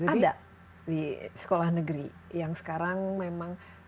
ada di sekolah negeri yang sekarang memang